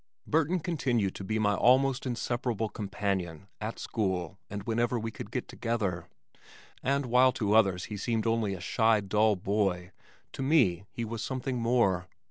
Burton continued to be my almost inseparable companion at school and whenever we could get together, and while to others he seemed only a shy, dull boy, to me he was something more.